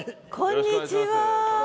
こんにちは。